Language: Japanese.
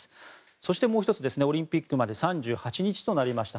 そして、もう１つオリンピックまで３８日となりました